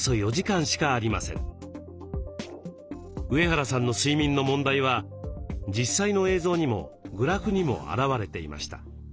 上原さんの睡眠の問題は実際の映像にもグラフにも表れていました。